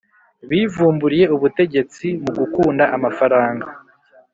bivumburiye ubutegetsi mugukunda amafaranga